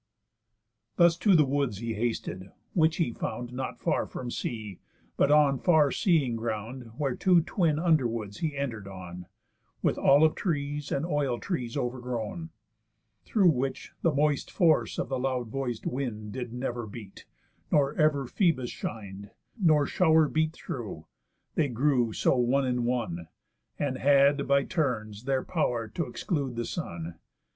Thus to the woods he hasted; which he found Not far from sea, but on far seeing ground, Where two twin underwoods he enter'd on, With olive trees and oil trees overgrown; Through which the moist force of the loud voic'd wind Did never beat, nor ever Phœbus shin'd, Nor show'r beat through, they grew so one in one, And had, by turns, their pow'r t' exclude the sun.